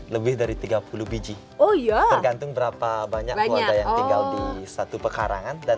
lebih dari tiga puluh biji oh iya tergantung berapa banyak gue ada yang tinggal di satu pekarangan dan